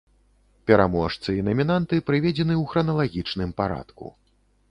Пераможцы і намінанты прыведзены ў храналагічным парадку.